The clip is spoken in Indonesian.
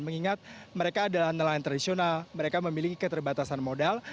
mengingat mereka adalah nelayan tradisional mereka memiliki keterbatasan modal